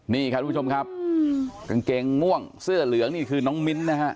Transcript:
นี่ครับทุกผู้ชมครับกางเกงม่วงเสื้อเหลืองนี่คือน้องมิ้นนะฮะ